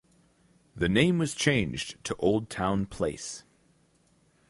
The name was changed to Old Town Place.